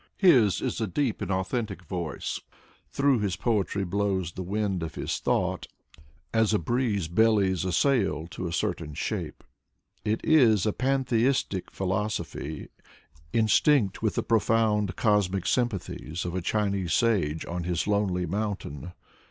His is a deep and authentic voice. Through his poetry blows the wind of his thought, as a breeze bellies a sail to a certain shape. It is a pantheistic philosophy, instinct with the profound cosmic sympathies of a Chinese sage on his lonely mountain.